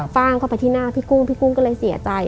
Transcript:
ฟ่างเข้าไปที่หน้าพี่กุ้งพี่กุ้งก็เลยเสียใจ